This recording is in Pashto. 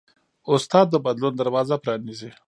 استاد د بدلون دروازه پرانیزي.